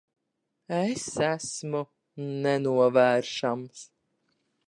Es esmu nenovēršams.